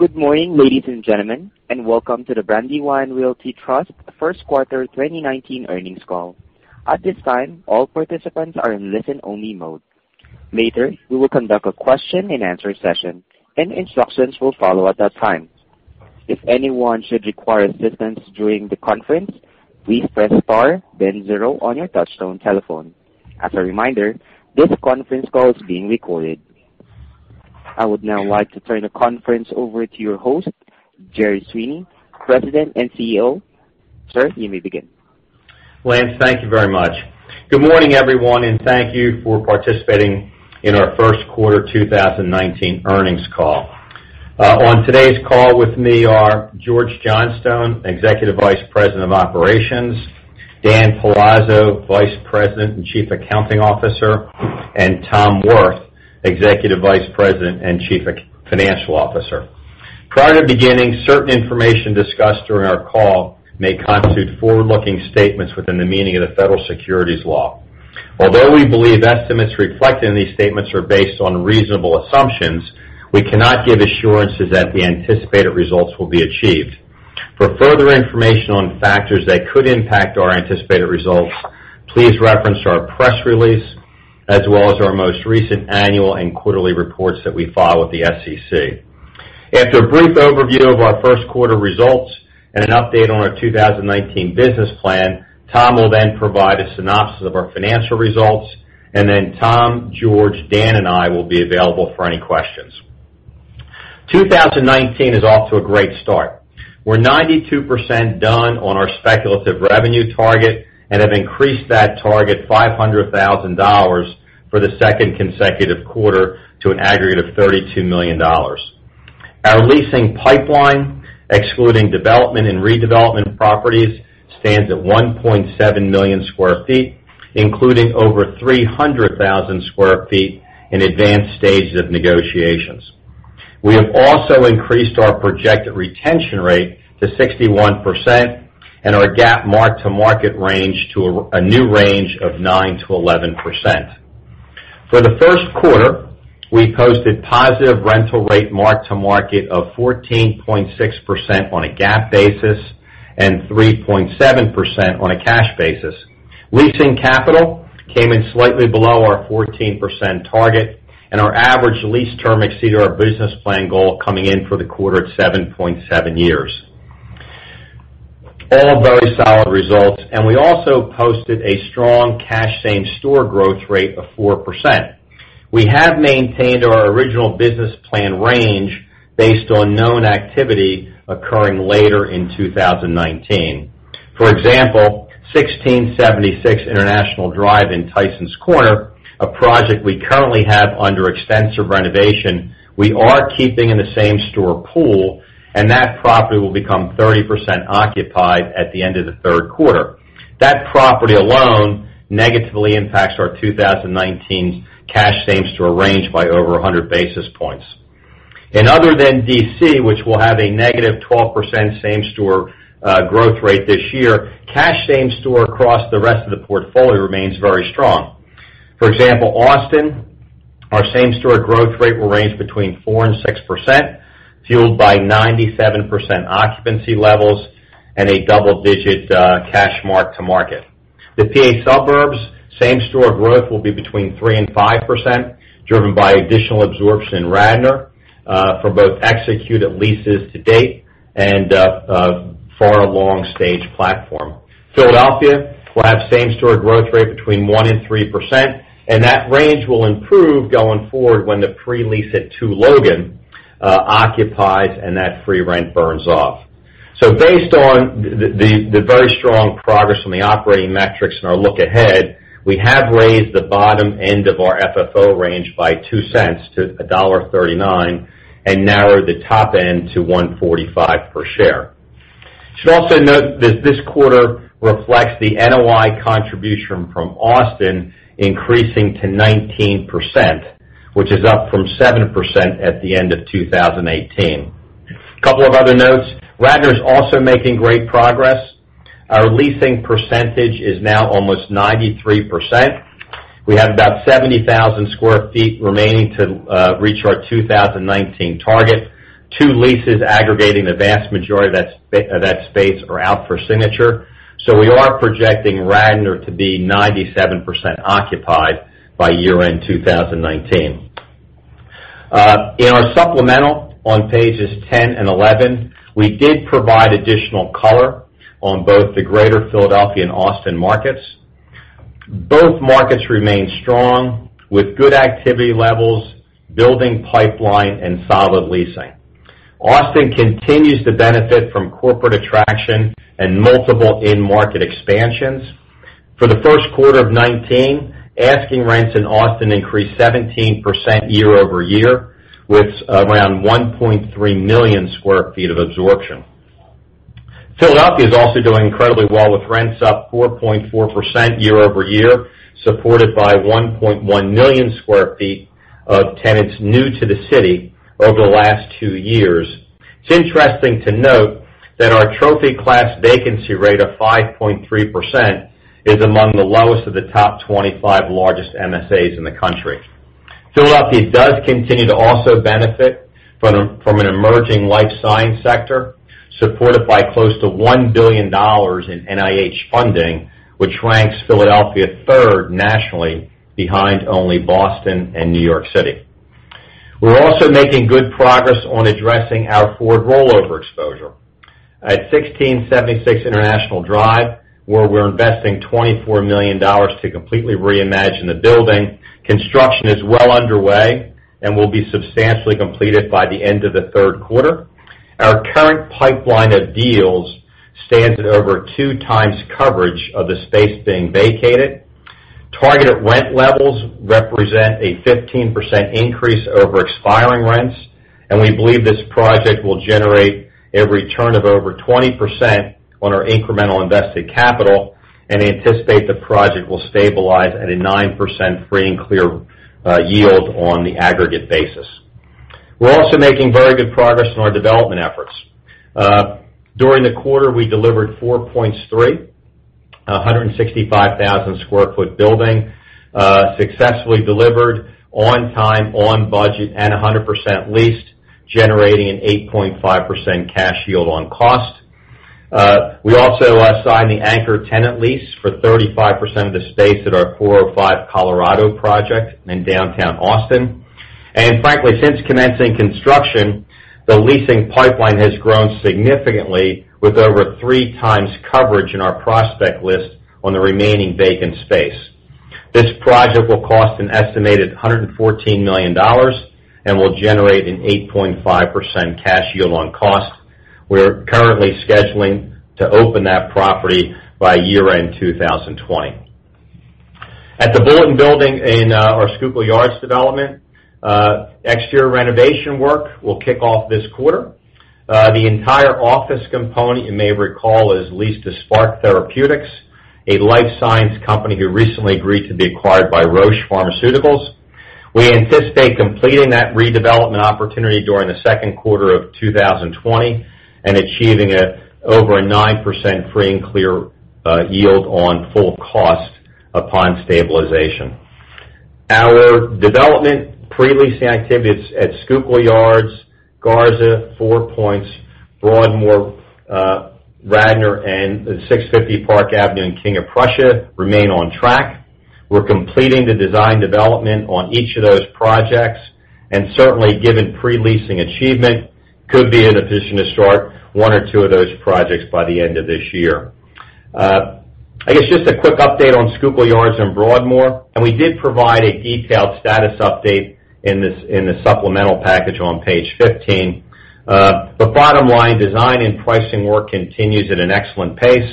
Good morning, ladies and gentlemen, and welcome to the Brandywine Realty Trust first quarter 2019 earnings call. At this time, all participants are in listen-only mode. Later, we will conduct a question and answer session, and instructions will follow at that time. If anyone should require assistance during the conference, please press star then zero on your touchtone telephone. As a reminder, this conference call is being recorded. I would now like to turn the conference over to your host, Jerry Sweeney, President and CEO. Sir, you may begin. Lance, thank you very much. Good morning, everyone, and thank you for participating in our first quarter 2019 earnings call. On today's call with me are George Johnstone, Executive Vice President of Operations, Dan Palazzo, Vice President and Chief Accounting Officer, and Tom Wirth, Executive Vice President and Chief Financial Officer. Prior to beginning, certain information discussed during our call may constitute forward-looking statements within the meaning of the federal securities law. Although we believe estimates reflected in these statements are based on reasonable assumptions, we cannot give assurances that the anticipated results will be achieved. For further information on factors that could impact our anticipated results, please reference our press release, as well as our most recent annual and quarterly reports that we file with the SEC. After a brief overview of our first quarter results and an update on our 2019 business plan, Tom will then provide a synopsis of our financial results, and Tom, George, Dan, and I will be available for any questions. 2019 is off to a great start. We are 92% done on our speculative revenue target and have increased that target $500,000 for the second consecutive quarter to an aggregate of $32 million. Our leasing pipeline, excluding development and redevelopment properties, stands at 1.7 million square feet, including over 300,000 square feet in advanced stages of negotiations. We have also increased our projected retention rate to 61% and our GAAP mark-to-market range to a new range of 9%-11%. For the first quarter, we posted positive rental rate mark-to-market of 14.6% on a GAAP basis and 3.7% on a cash basis. Leasing capital came in slightly below our 14% target, and our average lease term exceeded our business plan goal coming in for the quarter at 7.7 years. All very solid results. We also posted a strong cash same-store growth rate of 4%. We have maintained our original business plan range based on known activity occurring later in 2019. For example, 1676 International Drive in Tysons Corner, a project we currently have under extensive renovation, we are keeping in the same-store pool, and that property will become 30% occupied at the end of the third quarter. That property alone negatively impacts our 2019 cash same-store range by over 100 basis points. Other than D.C., which will have a negative 12% same-store growth rate this year, cash same-store across the rest of the portfolio remains very strong. For example, Austin, our same-store growth rate will range between 4% and 6%, fueled by 97% occupancy levels and a double-digit cash mark-to-market. The P.A. suburbs same-store growth will be between 3% and 5%, driven by additional absorption in Radnor for both executed leases to date and far along stage platform. Philadelphia will have same-store growth rate between 1% and 3%, and that range will improve going forward when the pre-lease at Two Logan occupies and that free rent burns off. Based on the very strong progress on the operating metrics and our look ahead, we have raised the bottom end of our FFO range by $0.02 to $1.39 and narrowed the top end to $1.45 per share. You should also note that this quarter reflects the NOI contribution from Austin increasing to 19%, which is up from 7% at the end of 2018. Radnor is also making great progress. Our leasing percentage is now almost 93%. We have about 70,000 square feet remaining to reach our 2019 target. Two leases aggregating the vast majority of that space are out for signature. We are projecting Radnor to be 97% occupied by year-end 2019. In our supplemental on pages 10 and 11, we did provide additional color on both the Greater Philadelphia and Austin markets. Both markets remain strong with good activity levels, building pipeline, and solid leasing. Austin continues to benefit from corporate attraction and multiple in-market expansions. For the first quarter of 2019, asking rents in Austin increased 17% year-over-year, with around 1.3 million square feet of absorption. Philadelphia is also doing incredibly well with rents up 4.4% year-over-year, supported by 1.1 million square feet of tenants new to the city over the last two years. It's interesting to note that our trophy class vacancy rate of 5.3% is among the lowest of the top 25 largest MSAs in the country. Philadelphia does continue to also benefit from an emerging life science sector, supported by close to $1 billion in NIH funding, which ranks Philadelphia third nationally, behind only Boston and New York City. We're also making good progress on addressing our Ford rollover exposure. At 1676 International Drive, where we're investing $24 million to completely reimagine the building, construction is well underway and will be substantially completed by the end of the third quarter. Our current pipeline of deals stands at over two times coverage of the space being vacated. Targeted rent levels represent a 15% increase over expiring rents, and we believe this project will generate a return of over 20% on our incremental invested capital, and anticipate the project will stabilize at a 9% free and clear yield on the aggregate basis. We're also making very good progress in our development efforts. During the quarter, we delivered Four Points Three, a 165,000 square foot building, successfully delivered on time, on budget, and 100% leased, generating an 8.5% cash yield on cost. We also signed the anchor tenant lease for 35% of the space at our 405 Colorado project in downtown Austin. Frankly, since commencing construction, the leasing pipeline has grown significantly, with over three times coverage in our prospect list on the remaining vacant space. This project will cost an estimated $114 million and will generate an 8.5% cash yield on cost. We're currently scheduling to open that property by year-end 2020. At The Bulletin Building in our Schuylkill Yards development, exterior renovation work will kick off this quarter. The entire office component, you may recall, is leased to Spark Therapeutics, a life science company who recently agreed to be acquired by Roche Pharmaceuticals. We anticipate completing that redevelopment opportunity during the second quarter of 2020 and achieving over a 9% free and clear yield on full cost upon stabilization. Our development pre-leasing activities at Schuylkill Yards, Garza, Four Points, Broadmoor, Radnor, and 650 Park Avenue in King of Prussia remain on track. We're completing the design development on each of those projects and certainly, given pre-leasing achievement, could be in a position to start one or two of those projects by the end of this year. I guess just a quick update on Schuylkill Yards and Broadmoor. We did provide a detailed status update in the supplemental package on page 15. The bottom line design and pricing work continues at an excellent pace.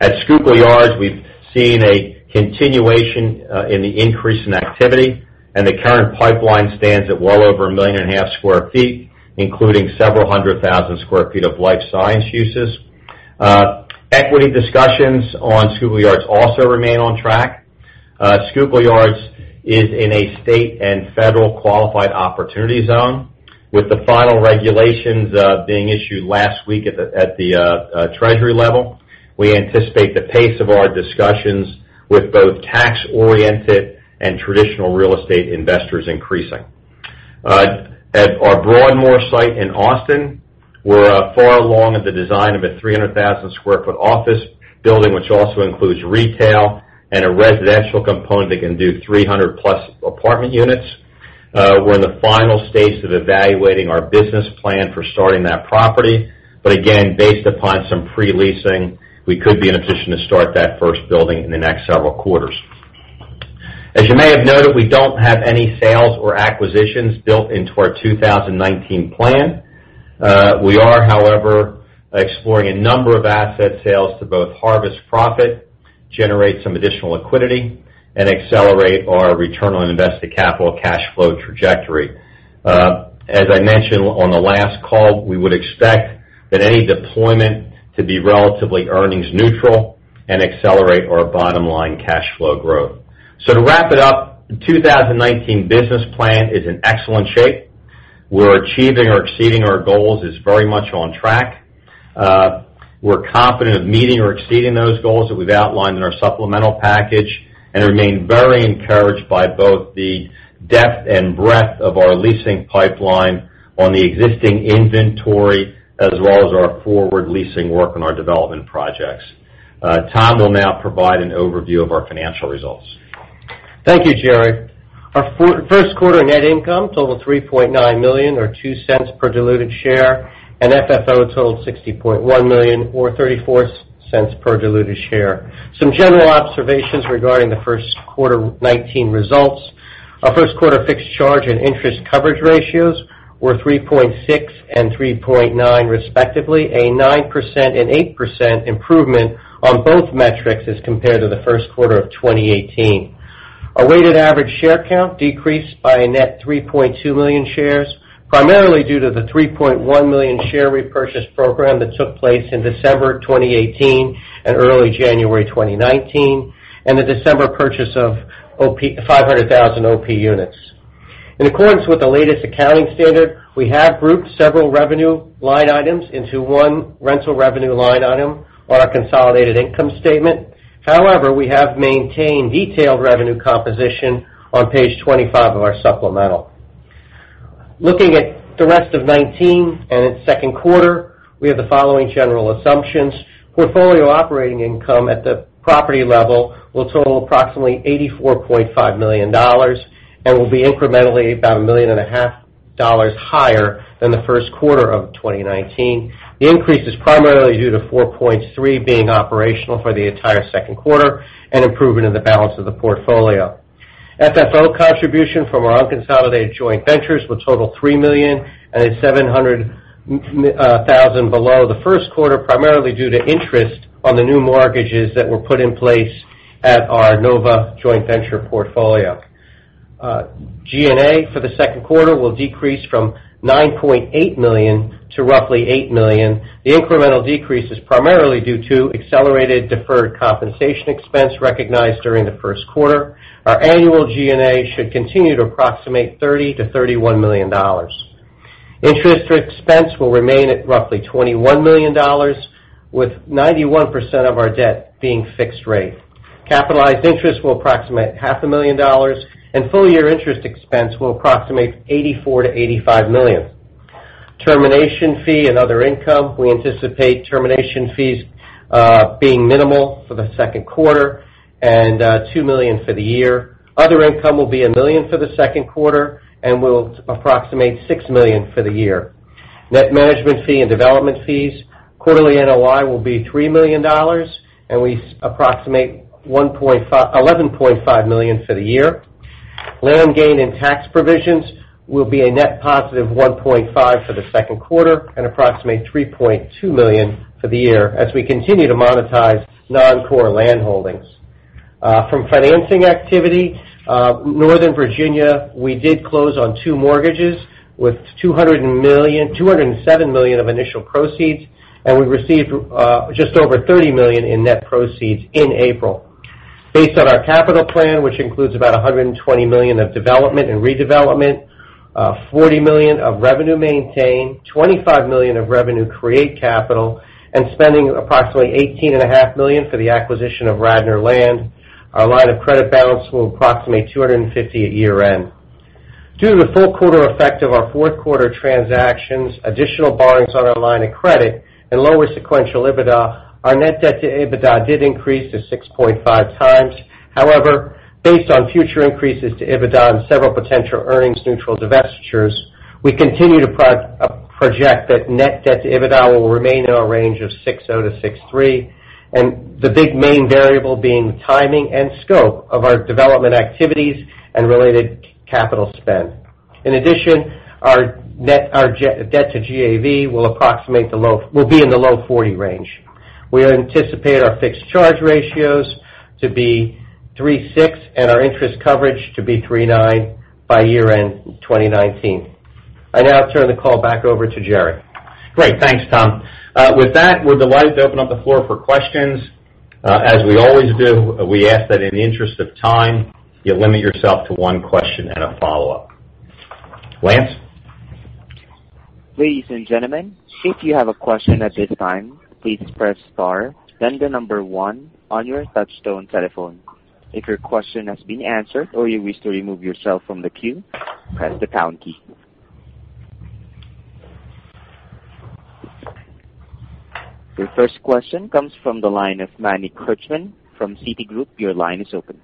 At Schuylkill Yards, we've seen a continuation in the increase in activity. The current pipeline stands at well over 1.5 million sq ft, including several 100,000 sq ft of life science uses. Equity discussions on Schuylkill Yards also remain on track. Schuylkill Yards is in a state and federal Qualified Opportunity Zone, with the final regulations being issued last week at the Treasury level. We anticipate the pace of our discussions with both tax-oriented and traditional real estate investors increasing. At our Broadmoor site in Austin, we're far along in the design of a 300,000 sq ft office building, which also includes retail and a residential component that can do 300-plus apartment units. We're in the final stages of evaluating our business plan for starting that property, again, based upon some pre-leasing, we could be in a position to start that first building in the next several quarters. As you may have noted, we don't have any sales or acquisitions built into our 2019 plan. We are, however, exploring a number of asset sales to both harvest profit, generate some additional liquidity, and accelerate our return on invested capital cash flow trajectory. As I mentioned on the last call, we would expect that any deployment to be relatively earnings neutral and accelerate our bottom-line cash flow growth. To wrap it up, the 2019 business plan is in excellent shape. We're achieving or exceeding our goals, it's very much on track. We're confident of meeting or exceeding those goals that we've outlined in our supplemental package and remain very encouraged by both the depth and breadth of our leasing pipeline on the existing inventory, as well as our forward leasing work on our development projects. Tom will now provide an overview of our financial results. Thank you, Jerry. Our first quarter net income totaled $3.9 million, or $0.02 per diluted share, and FFO totaled $60.1 million, or $0.34 per diluted share. Some general observations regarding the first quarter 2019 results. Our first quarter fixed charge and interest coverage ratios were 3.6 and 3.9 respectively, a 9% and 8% improvement on both metrics as compared to the first quarter of 2018. Our weighted average share count decreased by a net 3.2 million shares, primarily due to the 3.1 million share repurchase program that took place in December 2018 and early January 2019, and the December purchase of 500,000 OP units. In accordance with the latest accounting standard, we have grouped several revenue line items into one rental revenue line item on our consolidated income statement. However, we have maintained detailed revenue composition on page 25 of our supplemental. Looking at the rest of 2019 and its second quarter, we have the following general assumptions. Portfolio operating income at the property level will total approximately $84.5 million and will be incrementally about a million and a half dollars higher than the first quarter of 2019. The increase is primarily due to 4.3 being operational for the entire second quarter, and improvement in the balance of the portfolio. FFO contribution from our unconsolidated joint ventures will total $3 million, and is $700,000 below the first quarter, primarily due to interest on the new mortgages that were put in place at our NoVa joint venture portfolio. G&A for the second quarter will decrease from $9.8 million to roughly $8 million. The incremental decrease is primarily due to accelerated deferred compensation expense recognized during the first quarter. Our annual G&A should continue to approximate $30 million to $31 million. Interest expense will remain at roughly $21 million, with 91% of our debt being fixed rate. Capitalized interest will approximate half a million dollars, and full-year interest expense will approximate $84 million to $85 million. Termination fee and other income, we anticipate termination fees being minimal for the second quarter and $2 million for the year. Other income will be $1 million for the second quarter and will approximate $6 million for the year. Net management fee and development fees, quarterly NOI will be $3 million, and we approximate $11.5 million for the year. Land gain and tax provisions will be a net positive $1.5 million for the second quarter and approximate $3.2 million for the year, as we continue to monetize non-core land holdings. From financing activity, Northern Virginia, we did close on two mortgages with $207 million of initial proceeds, and we received just over $30 million in net proceeds in April. Based on our capital plan, which includes about $120 million of development and redevelopment, $40 million of revenue maintain, $25 million of revenue create capital, and spending approximately $18.5 million for the acquisition of Radnor Land, our line of credit balance will approximate $250 million at year-end. Due to the full quarter effect of our fourth quarter transactions, additional borrowings on our line of credit, and lower sequential EBITDA, our net debt to EBITDA did increase to 6.5 times. Based on future increases to EBITDA and several potential earnings-neutral divestitures, we continue to project that net debt to EBITDA will remain in our range of 6.0-6.3, and the big main variable being the timing and scope of our development activities and related capital spend. In addition, our debt to GAV will be in the low 40 range. We anticipate our fixed charge ratios to be 3.6, and our interest coverage to be 3.9 by year-end 2019. I now turn the call back over to Jerry. Great. Thanks, Tom. With that, we are delighted to open up the floor for questions. As we always do, we ask that in the interest of time, you limit yourself to one question and a follow-up. Lance? Ladies and gentlemen, if you have a question at this time, please press star, then the number one on your touchtone telephone. If your question has been answered or you wish to remove yourself from the queue, press the pound key. Your first question comes from the line of Manny Korchman from Citigroup. Your line is open.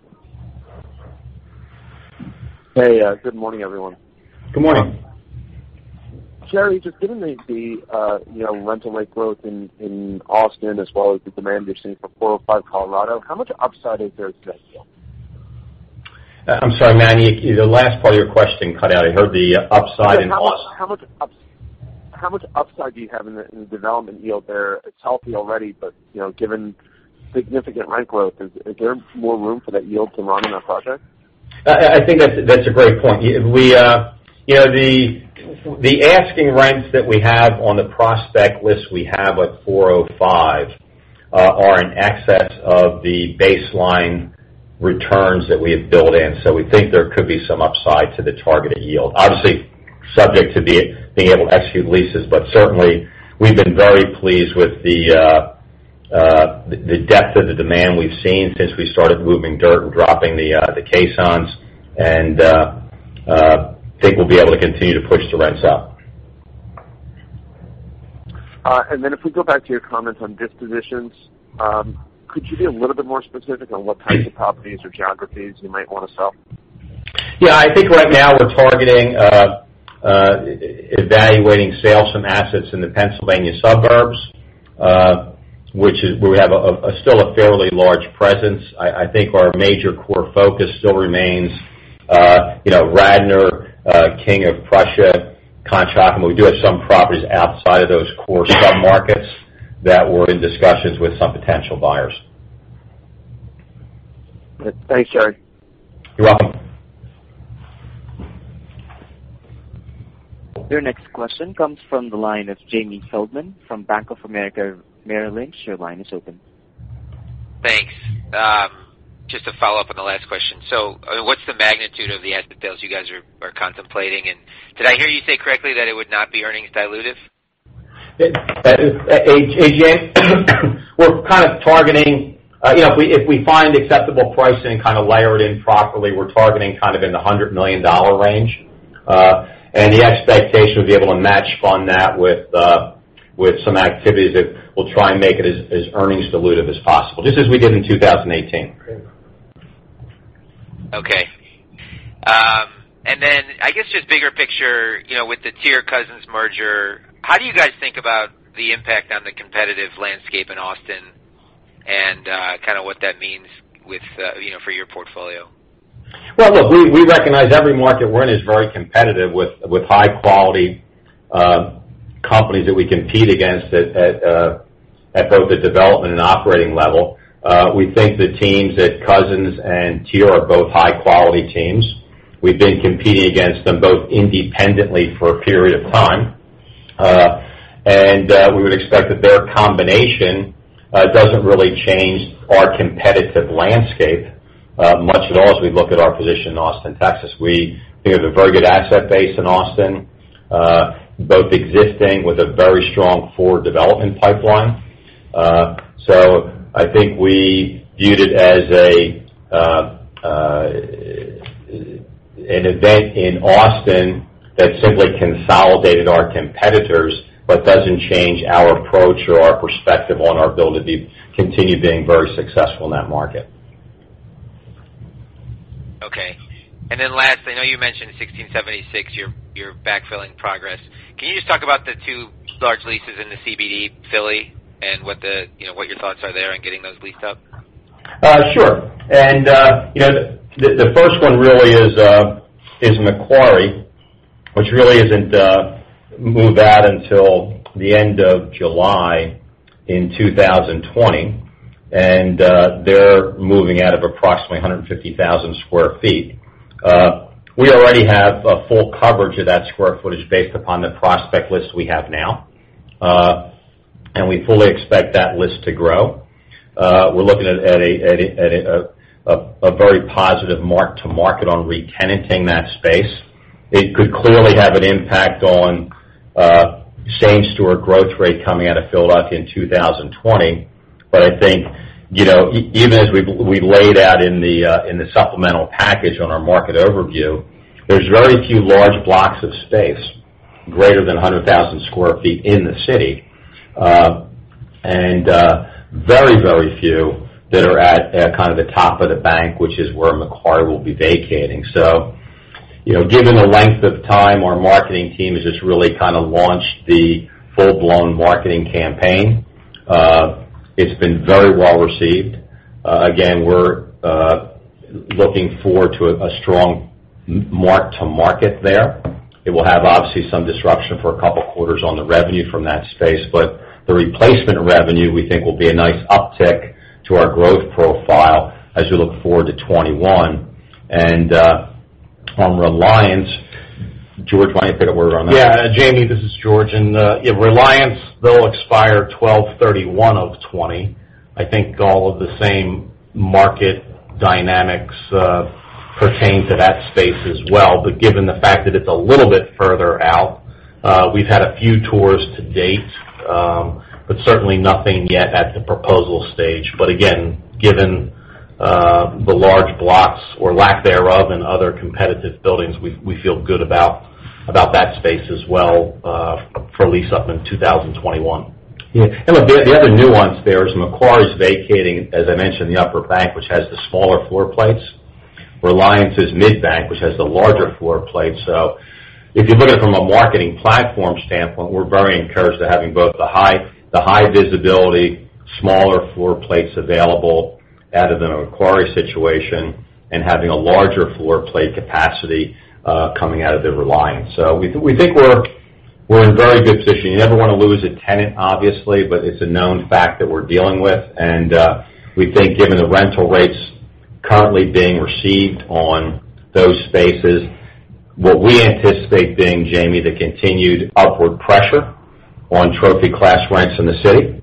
Hey, good morning, everyone. Good morning. Jerry, just given the rental rate growth in Austin as well as the demand you're seeing for 405 Colorado, how much upside is there to that deal? I'm sorry, Manny. The last part of your question cut out. I heard the upside in Austin. How much upside do you have in the development yield there? It's healthy already, but given significant rent growth, is there more room for that yield to run in that project? I think that's a great point. The asking rents that we have on the prospect list we have at 405 are in excess of the baseline returns that we have built in. We think there could be some upside to the targeted yield, obviously subject to being able to execute leases. Certainly, we've been very pleased with the depth of the demand we've seen since we started moving dirt and dropping the caissons, and think we'll be able to continue to push the rents up. If we go back to your comments on dispositions, could you be a little bit more specific on what types of properties or geographies you might want to sell? I think right now we're targeting evaluating sales from assets in the Pennsylvania suburbs, where we have still a fairly large presence. I think our major core focus still remains Radnor, King of Prussia, Conshohocken. We do have some properties outside of those core submarkets that we're in discussions with some potential buyers. Thanks, Jerry. You're welcome. Your next question comes from the line of Jamie Feldman from Bank of America Merrill Lynch. Your line is open. Just a follow-up on the last question. What's the magnitude of the asset sales you guys are contemplating? Did I hear you say correctly that it would not be earnings dilutive? Hey, Jamie, we're kind of targeting, if we find acceptable pricing, kind of layer it in properly, we're targeting kind of in the $100 million range. The expectation we'll be able to match fund that with some activities that will try and make it as earnings dilutive as possible, just as we did in 2018. Okay. Then, I guess, just bigger picture, with the TIER Cousins merger, how do you guys think about the impact on the competitive landscape in Austin and kind of what that means for your portfolio? Well, look, we recognize every market we're in is very competitive with high-quality companies that we compete against at both the development and operating level. We think the teams at Cousins and TIER are both high-quality teams. We've been competing against them both independently for a period of time. We would expect that their combination doesn't really change our competitive landscape much at all as we look at our position in Austin, Texas. We think we have a very good asset base in Austin, both existing with a very strong forward development pipeline. I think we viewed it as an event in Austin that simply consolidated our competitors, but doesn't change our approach or our perspective on our ability to continue being very successful in that market. Okay. Then last, I know you mentioned 1676, your backfilling progress. Can you just talk about the two large leases in the CBD Philly and what your thoughts are there on getting those leased up? Sure. The first one really is Macquarie, which really isn't moved out until the end of July in 2020, and they're moving out of approximately 150,000 sq ft. We already have a full coverage of that square footage based upon the prospect list we have now. We fully expect that list to grow. We're looking at a very positive mark to market on re-tenanting that space. It could clearly have an impact on same-store growth rate coming out of Philadelphia in 2020. I think, even as we laid out in the supplemental package on our market overview, there's very few large blocks of space, greater than 100,000 sq ft in the city. Very, very few that are at kind of the top of the bank, which is where Macquarie will be vacating. Given the length of time, our marketing team has just really kind of launched the full-blown marketing campaign. It's been very well-received. Again, we're looking forward to a strong mark to market there. It will have, obviously, some disruption for a 2 quarters on the revenue from that space, but the replacement revenue, we think, will be a nice uptick to our growth profile as we look forward to 2021. On Reliance, George, why don't you pivot over on that? Yeah. Jamie, this is George. Reliance, they'll expire 12/31/2020. I think all of the same market dynamics pertain to that space as well. Given the fact that it's a little bit further out, we've had a few tours to date, certainly nothing yet at the proposal stage. Again, given the large blocks or lack thereof in other competitive buildings, we feel good about that space as well for lease up in 2021. Yeah. Look, the other nuance there is Macquarie's vacating, as I mentioned, the upper bank, which has the smaller floor plates. Reliance is mid-bank, which has the larger floor plate. If you look at it from a marketing platform standpoint, we're very encouraged to having both the high-visibility, smaller floor plates available out of the Macquarie situation and having a larger floor plate capacity, coming out of the Reliance. We think we're in very good position. You never want to lose a tenant, obviously, but it's a known fact that we're dealing with. We think given the rental rates currently being received on those spaces, what we anticipate being, Jamie, the continued upward pressure on trophy class rents in the city,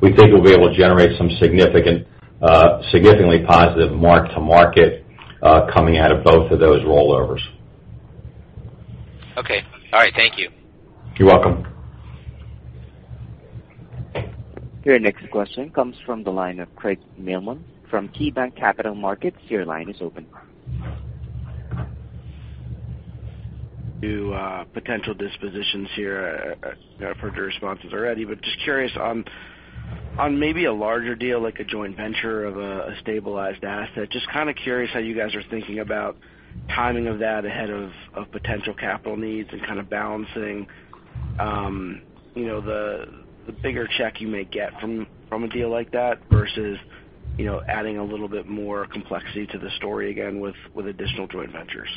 we think we'll be able to generate some significantly positive mark to market, coming out of both of those rollovers. Okay. All right. Thank you. You're welcome. Your next question comes from the line of Craig Mailman from KeyBanc Capital Markets. Your line is open. To potential dispositions here for the responses already. Just curious on maybe a larger deal, like a joint venture of a stabilized asset. Just kind of curious how you guys are thinking about timing of that ahead of potential capital needs and kind of balancing the bigger check you may get from a deal like that versus adding a little bit more complexity to the story again with additional joint ventures.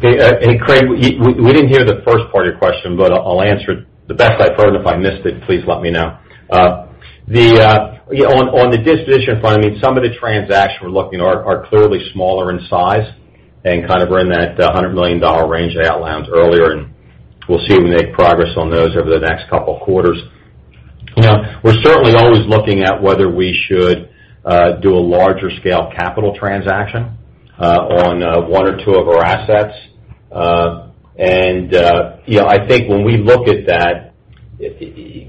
Craig, we didn't hear the first part of your question, but I'll answer it the best I've heard, and if I missed it, please let me know. On the disposition front, some of the transactions we're looking are clearly smaller in size and kind of are in that $100 million range I outlined earlier. We'll see if we make progress on those over the next couple of quarters. I think when we look at that,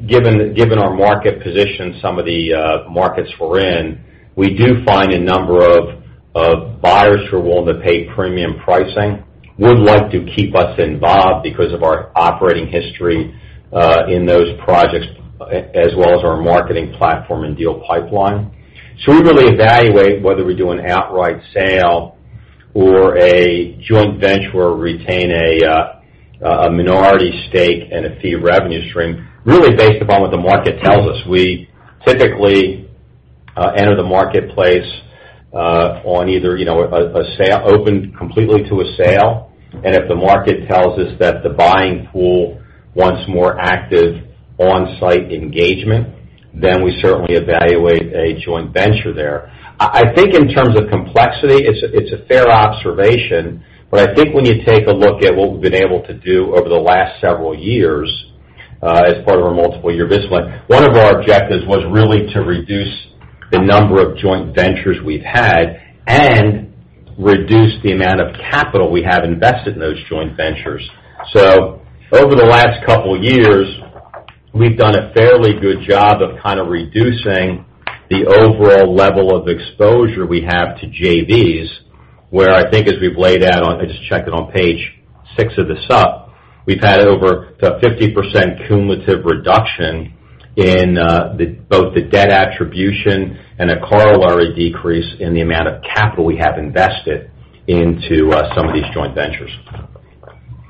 given our market position, some of the markets we're in, we do find a number of buyers who are willing to pay premium pricing would like to keep us involved because of our operating history in those projects, as well as our marketing platform and deal pipeline. We really evaluate whether we do an outright sale or a joint venture or retain a minority stake and a fee revenue stream, really based upon what the market tells us. We typically enter the marketplace on either, open completely to a sale. If the market tells us that the buying pool wants more active on-site engagement, then we certainly evaluate a joint venture there. I think in terms of complexity, it's a fair observation, but I think when you take a look at what we've been able to do over the last several years, as part of our multiple year discipline, one of our objectives was really to reduce the number of joint ventures we've had and reduce the amount of capital we have invested in those joint ventures. Over the last couple of years, we've done a fairly good job of kind of reducing the overall level of exposure we have to JVs, where I think as we've laid out, I just checked it on page six of the supp, we've had over a 50% cumulative reduction in both the debt attribution and a corollary decrease in the amount of capital we have invested into some of these joint ventures.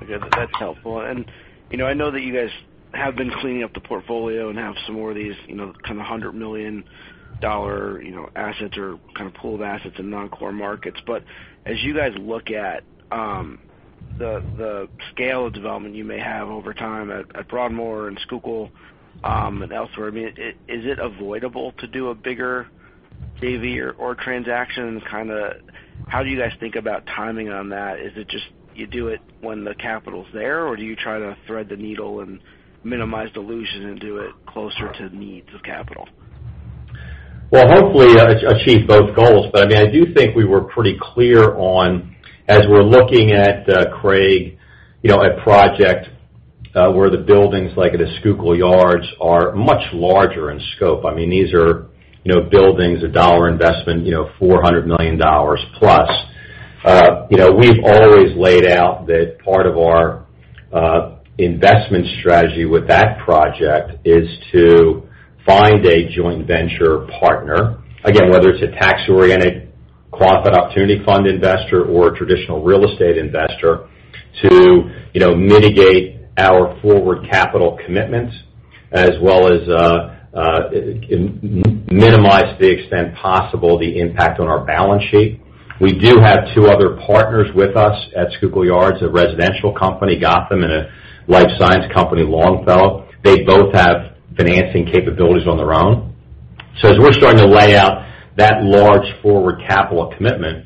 Okay. That's helpful. I know that you guys have been cleaning up the portfolio and have some more of these, kind of $100 million assets or kind of pooled assets in non-core markets. As you guys look at the scale of development you may have over time at Broadmoor and Schuylkill, and elsewhere, is it avoidable to do a bigger JV or transaction, and kind of how do you guys think about timing on that? Is it just you do it when the capital's there, or do you try to thread the needle and minimize dilution and do it closer to the needs of capital? Hopefully achieve both goals. I do think we were pretty clear, as we're looking at, Craig, at project, where the buildings like at a Schuylkill Yards are much larger in scope. These are buildings, a dollar investment, $400 million plus. We've always laid out that part of our investment strategy with that project is to find a joint venture partner. Again, whether it's a tax-oriented, qualified opportunity fund investor or a traditional real estate investor to mitigate our forward capital commitments as well as minimize to the extent possible the impact on our balance sheet. We do have two other partners with us at Schuylkill Yards, a residential company, Gotham, and a life science company, Longfellow. They both have financing capabilities on their own. as we're starting to lay out that large forward capital commitment,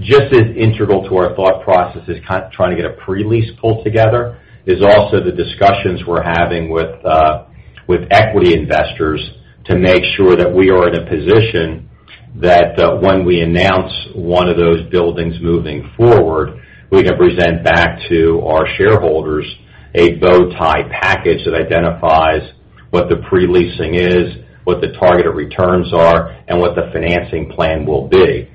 just as integral to our thought process is kind of trying to get a pre-lease pulled together, is also the discussions we're having with equity investors to make sure that we are in a position that when we announce one of those buildings moving forward, we can present back to our shareholders a bow tie package that identifies what the pre-leasing is, what the targeted returns are, and what the financing plan will be.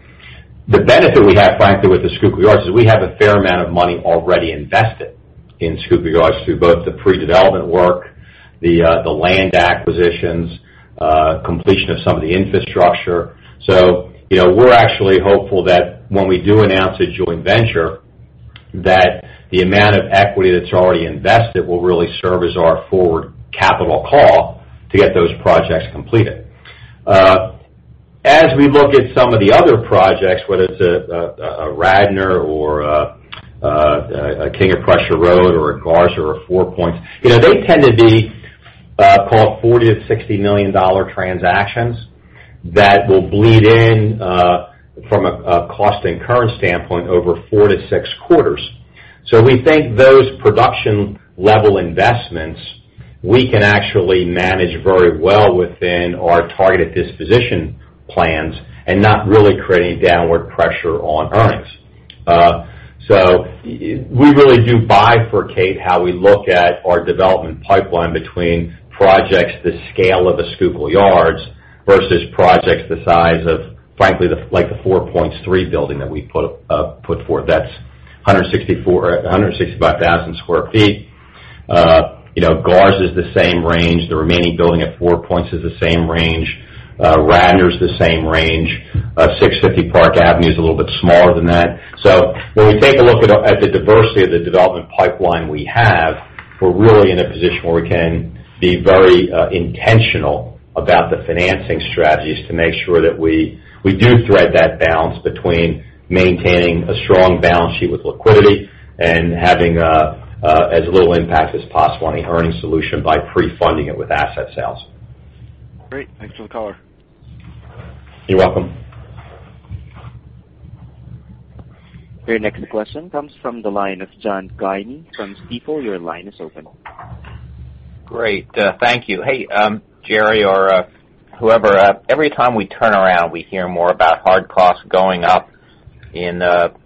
The benefit we have, frankly, with the Schuylkill Yards is we have a fair amount of money already invested in Schuylkill Yards through both the pre-development work, the land acquisitions, completion of some of the infrastructure. we're actually hopeful that when we do announce a joint venture, that the amount of equity that's already invested will really serve as our forward capital call to get those projects completed. As we look at some of the other projects, whether it's a Radnor or a King of Prussia Road or a Garza or a Four Points, they tend to be call it $40 million to $60 million transactions that will bleed in, from a cost and current standpoint, over four to six quarters. We think those production-level investments, we can actually manage very well within our targeted disposition plans and not really create any downward pressure on earnings. We really do bifurcate how we look at our development pipeline between projects the scale of the Schuylkill Yards versus projects the size of, frankly, like the Four Points 3 Building that we put forward. That's 165,000 sq ft. Garza is the same range. The remaining building at Four Points is the same range. Radnor's the same range. 650 Park Avenue is a little bit smaller than that. when we take a look at the diversity of the development pipeline we have, we're really in a position where we can be very intentional about the financing strategies to make sure that we do thread that balance between maintaining a strong balance sheet with liquidity and having as little impact as possible on the earnings solution by pre-funding it with asset sales. Great. Thanks for the color. You're welcome. Your next question comes from the line of John Guinee from Stifel. Your line is open. Great. Thank you. Hey, Jerry, or whoever. Every time we turn around, we hear more about hard costs going up in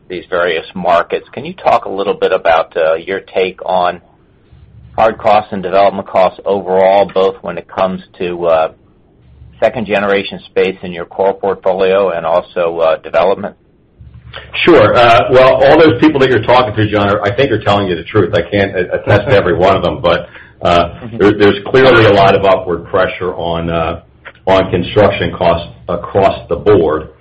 these various markets. Can you talk a little bit about your take on hard costs and development costs overall, both when it comes to second-generation space in your core portfolio and also development? Sure. Well, all those people that you're talking to, John, I think are telling you the truth. I can't attest to every one of them. There's clearly a lot of upward pressure on construction costs across the board.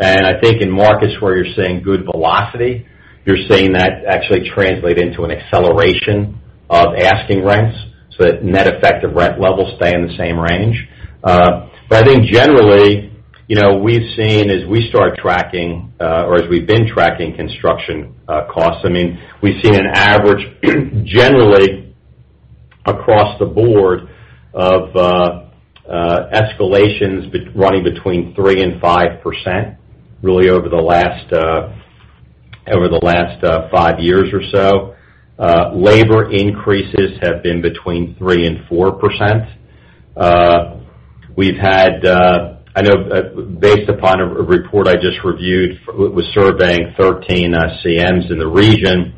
I think in markets where you're seeing good velocity, you're seeing that actually translate into an acceleration of asking rents, so that net effect of rent levels stay in the same range. I think generally, we've seen as we start tracking, or as we've been tracking construction costs, we've seen an average generally across the board of escalations running between 3%-5% really over the last five years or so. Labor increases have been between 3%-4%. I know based upon a report I just reviewed, it was surveying 13 CMs in the region.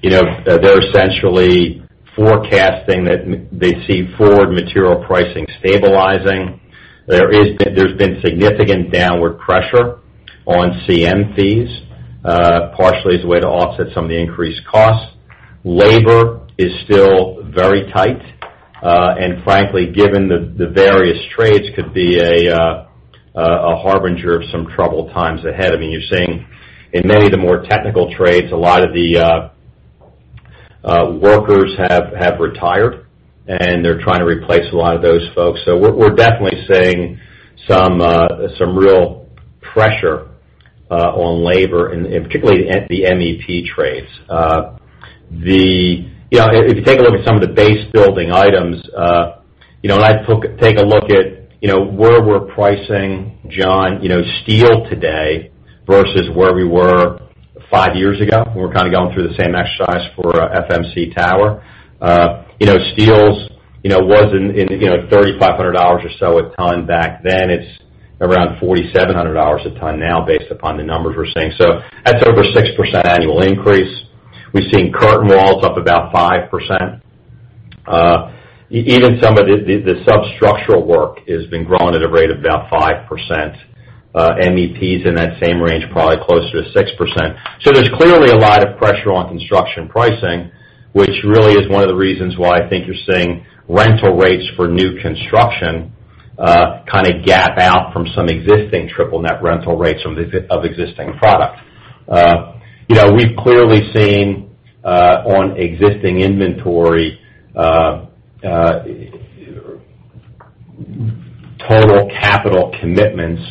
They're essentially forecasting that they see forward material pricing stabilizing. There's been significant downward pressure on CM fees, partially as a way to offset some of the increased costs. Labor is still very tight, frankly, given the various trades, could be a harbinger of some troubled times ahead. You're seeing in many of the more technical trades, a lot of the workers have retired, and they're trying to replace a lot of those folks. We're definitely seeing some real pressure on labor, particularly the MEP trades. If you take a look at some of the base building items, I take a look at where we're pricing, John, steel today versus where we were five years ago. We're kind of going through the same exercise for FMC Tower. Steel was in $3,500 or so a ton back then. It's around $4,700 a ton now based upon the numbers we're seeing. That's over 6% annual increase. We've seen curtain walls up about 5%. Even some of the sub-structural work has been growing at a rate of about 5%. MEP is in that same range, probably closer to 6%. There's clearly a lot of pressure on construction pricing, which really is one of the reasons why I think you're seeing rental rates for new construction kind of gap out from some existing triple net rental rates of existing product. We've clearly seen on existing inventory total capital commitments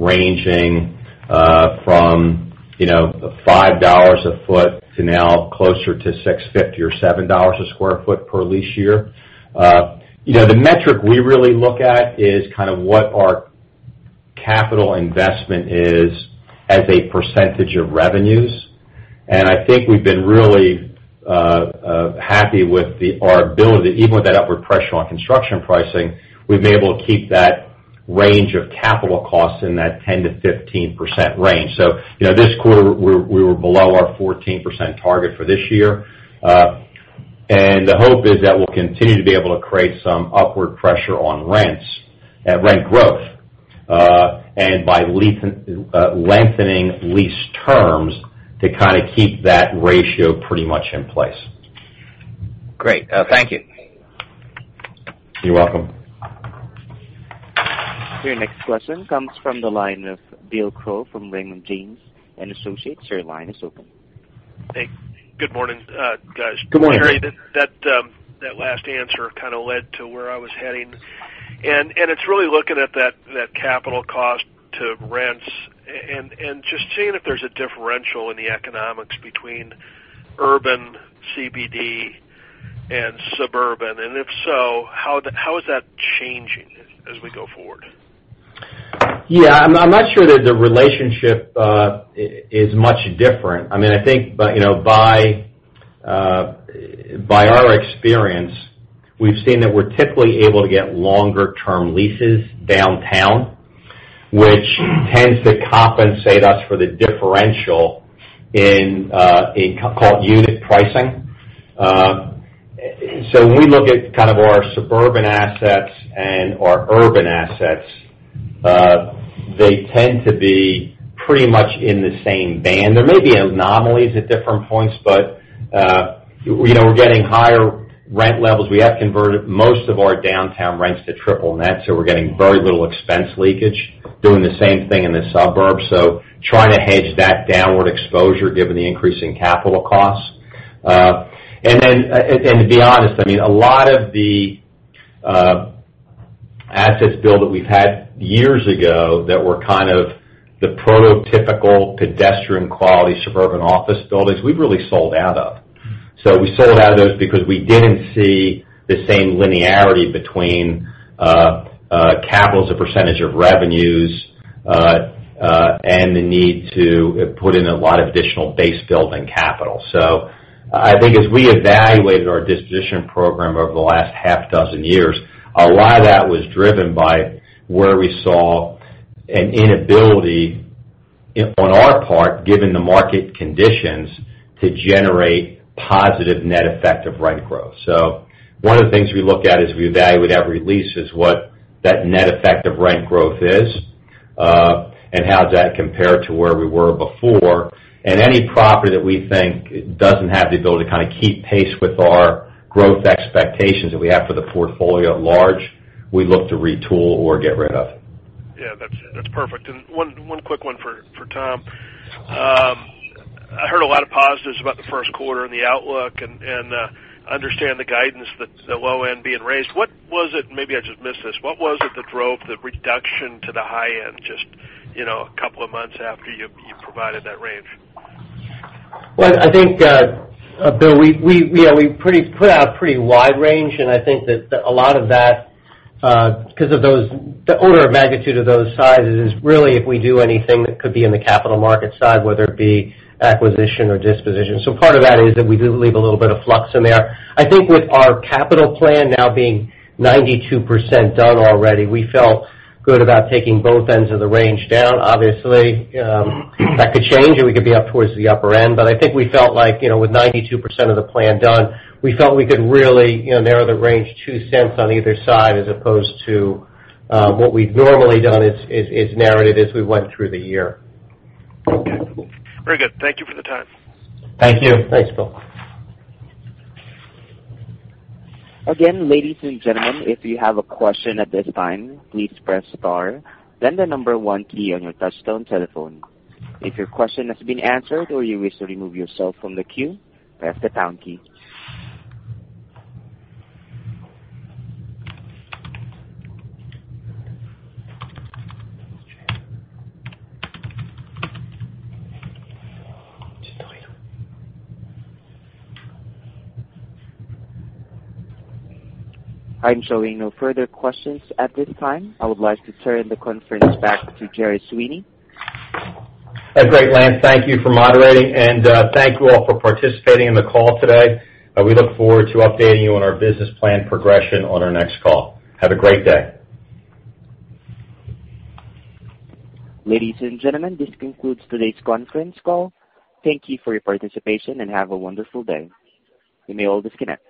ranging from $5 a foot to now closer to $6.50 or $7 a square foot per lease year. The metric we really look at is kind of what our capital investment is as a percentage of revenues. I think we've been really happy with our ability, even with that upward pressure on construction pricing, we've been able to keep that range of capital costs in that 10%-15% range. This quarter, we were below our 14% target for this year. The hope is that we'll continue to be able to create some upward pressure on rents, rent growth, and by lengthening lease terms to kind of keep that ratio pretty much in place. Great. Thank you. You're welcome. Your next question comes from the line of William Crow from Raymond James & Associates. Your line is open. Hey, good morning, guys. Good morning. Jerry, that last answer kind of led to where I was heading, and it's really looking at that capital cost to rents and just seeing if there's a differential in the economics between urban CBD and suburban, and if so, how is that changing as we go forward? Yeah, I'm not sure that the relationship is much different. I think by our experience, we've seen that we're typically able to get longer-term leases downtown, which tends to compensate us for the differential in what we call unit pricing. When we look at kind of our suburban assets and our urban assets, they tend to be pretty much in the same band. There may be anomalies at different points, but we're getting higher rent levels. We have converted most of our downtown rents to triple net, so we're getting very little expense leakage, doing the same thing in the suburbs. Trying to hedge that downward exposure given the increase in capital costs. To be honest, a lot of the assets build that we've had years ago that were kind of the prototypical pedestrian-quality suburban office buildings, we've really sold out of those because we didn't see the same linearity between capital as a percentage of revenues, and the need to put in a lot of additional base building capital. I think as we evaluated our disposition program over the last half dozen years, a lot of that was driven by where we saw an inability on our part, given the market conditions, to generate positive net effect of rent growth. One of the things we look at as we evaluate every lease is what that net effect of rent growth is, and how does that compare to where we were before. Any property that we think doesn't have the ability to keep pace with our growth expectations that we have for the portfolio at large, we look to retool or get rid of. Yeah, that's perfect. One quick one for Tom. I heard a lot of positives about the first quarter and the outlook, and understand the guidance that the low end being raised. What was it, maybe I just missed this, what was it that drove the reduction to the high end just a couple of months after you provided that range? Well, I think, Bill, we put out a pretty wide range, and I think that a lot of that, because of the order of magnitude of those sizes is really if we do anything that could be in the capital market side, whether it be acquisition or disposition. Part of that is that we do leave a little bit of flux in there. I think with our capital plan now being 92% done already, we felt good about taking both ends of the range down. Obviously, that could change, or we could be up towards the upper end. I think we felt like, with 92% of the plan done, we felt we could really narrow the range $0.02 on either side as opposed to what we've normally done is narrow it as we went through the year. Okay. Very good. Thank you for the time. Thank you. Thanks, Bill. Again, ladies and gentlemen, if you have a question at this time, please press star then the number 1 key on your touchtone telephone. If your question has been answered or you wish to remove yourself from the queue, press the pound key. I'm showing no further questions at this time. I would like to turn the conference back to Jerry Sweeney. Great, Lance. Thank you for moderating, and thank you all for participating in the call today. We look forward to updating you on our business plan progression on our next call. Have a great day. Ladies and gentlemen, this concludes today's conference call. Thank you for your participation, and have a wonderful day. You may all disconnect.